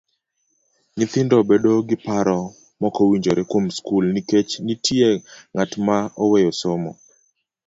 Nyithindo bedo gi paro mokowinjore kuom skul nikech nitie ng'at ma oweyo somo.